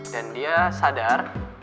dan dia sadar